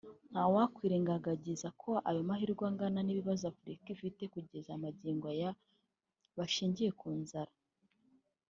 ntawakwirengagagiza ko ayo mahirwe angana n’ibibazo Afurika ifite kugeza magingo aya bishingiye ku nzara